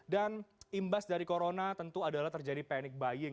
dan imbas dari corona tentu adalah terjadi panic buying